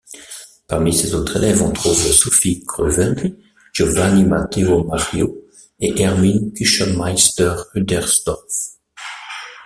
Parmi ses autres élèves, on trouve Sophie Cruvelli, Giovanni Matteo Mario et Hermine Küchenmeister-Rudersdorf.